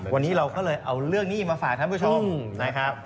วันนี้เราก็เลยเอาเรื่องนี้มาฝากท่านผู้ชมนะครับ